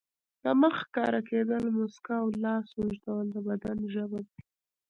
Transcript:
د مخ ښکاره کېدل، مسکا او لاس اوږدول د بدن ژبه ده.